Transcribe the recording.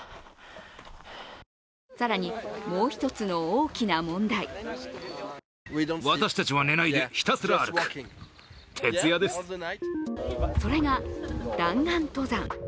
更に、もう一つの大きな問題それが弾丸登山。